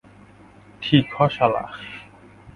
ঠিক হ, শালা।